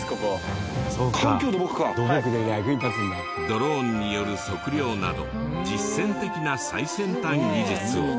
ドローンによる測量など実践的な最先端技術を。